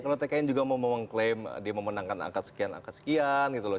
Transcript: kalau tkn juga mau mengklaim dia memenangkan angkat sekian angka sekian gitu loh